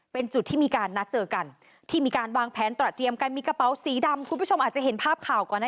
เป็นจุดที่มีการนัดเจอกันที่มีการวางแผนตระเตรียมกันมีกระเป๋าสีดำคุณผู้ชมอาจจะเห็นภาพข่าวก่อนนะ